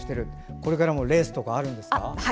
これからもレースがあるんですか。